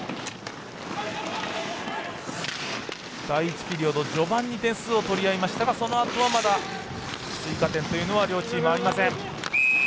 第１ピリオド序盤に点数を取り合いましたがそのあとは、まだ追加点というのは両チームありません。